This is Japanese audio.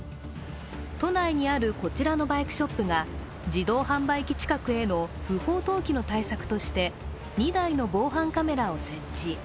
都内にあるこちらのバイクショップが自動販売機近くへの不法投棄の対策として２台の防犯カメラを設置。